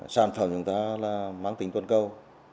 sản phẩm chúng ta mang tính tuân câu